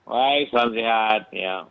waik salam sehat